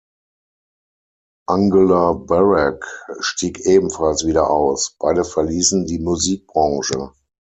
Angela Barrack stieg ebenfalls wieder aus, beide verliessen die Musikbranche.